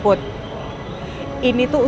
ibu tak kan ya ini ibu tuh